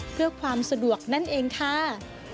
เพื่อความสะดวกนั่นเองค่ะ